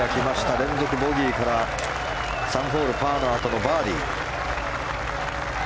連続ボギーから３ホール、パーのあとのバーディー。